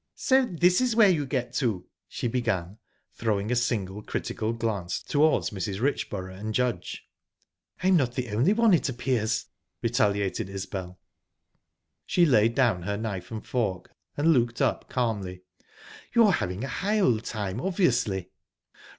"So this is where you get to!" she began, throwing a single critical glance towards Mrs. Richborough and Judge. "I'm not the only one, it appears," retaliated Isbel. She laid down her knife and fork, and looked up calmly. "You're having a high old time, obviously."